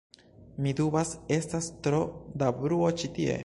Mi dubas, estas tro da bruo ĉi tie